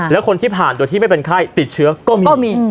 แล้วคนที่ผ่านโดยที่ไม่เป็นไข้ติดเชื้อก็มีก็มี